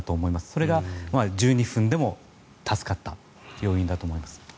それが１２分でも助かった要因だと思います。